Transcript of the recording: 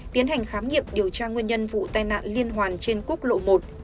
tiến hành khám nghiệm điều tra nguyên nhân vụ tai nạn liên hoàn trên quốc lộ một